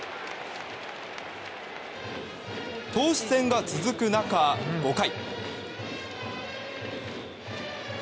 投手戦が続く中、５回。